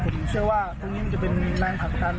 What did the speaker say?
ผมเชื่อว่าตรงนี้มันจะเป็นแรงผลักดัน